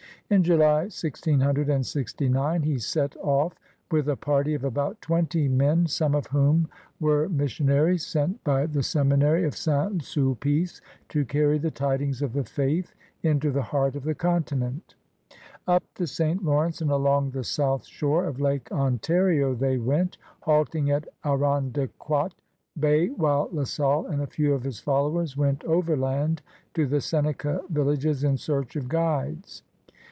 In July, 1669, he set off with a party of about twenty men, some of whom were missionaries sent by the Seminary of St. Sulpice to carry the tidings of the faith into the heart of the continent. Up the St. Lawrence and along the south shore of Lake Ontario they went, halting at L*ondequoit Bay while La Salle and a few of his followers went overland to the Seneca villages in search of guides.